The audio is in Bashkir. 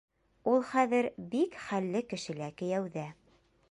Ул хәҙер бик хәлле кешелә кейәүҙә.